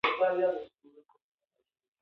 ښارونه د اوږدمهاله پایښت لپاره مهم رول لري.